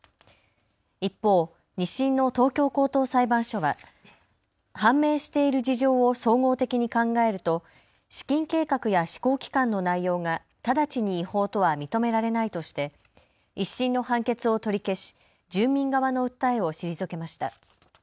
一方、２審の東京高等裁判所は判明している事情を総合的に考えると資金計画や施行期間の内容が直ちに違法とは認められないとして１審の判決を取り消し住民側の訴えを退けました。